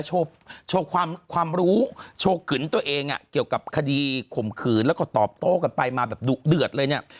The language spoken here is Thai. โชว์ความรู้โชว์ขึนตัวเองเกี่ยวกับคดีข่มขืนแล้วก็ตอบโต้กันไปมาแบบดุเดือดเลยเนี่ย